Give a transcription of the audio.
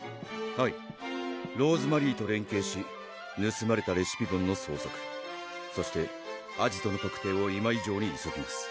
「はいローズマリーと連携しぬすまれたレシピボンの捜索そしてアジトの特定を今以上に急ぎます」